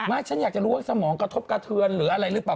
ฉันอยากจะรู้ว่าสมองกระทบกระเทือนหรืออะไรหรือเปล่า